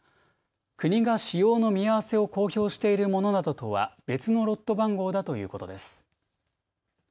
国が使用の見合わせを公表しているものなどとは別のロット番号だということです。